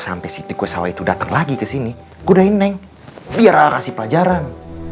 sampai si tikus sawah itu datang lagi ke sini kudain neng biar kasih pelajaran